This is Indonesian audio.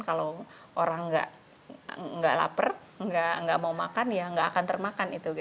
kalau orang tidak lapar tidak mau makan ya tidak akan termakan